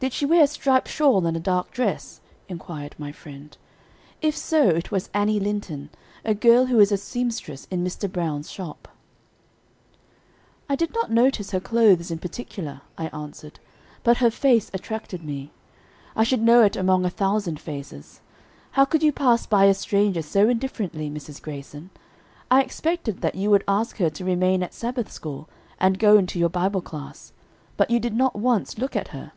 "Did she wear a striped shawl and a dark dress?" inquired my friend. "If so, it was Annie Linton, a girl who is a seamstress in Mr. Brown's shop." "I did not notice her clothes in particular," I answered, "but her face attracted me; I should know it among a thousand faces. How could you pass by a stranger so indifferently, Mrs. Greyson? I expected that you would ask her to remain at Sabbath school, and go into your Bible class, but you did not once look at her."